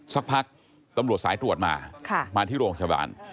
สักพักตำรวจสายตรวจมามาที่โรงพยาบาล